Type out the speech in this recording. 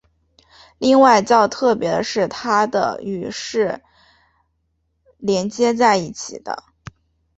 另外较特别的是它的与是连接在一起的。